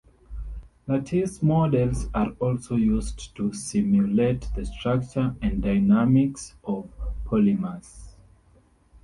Lattice models are also used to simulate the structure and dynamics of polymers.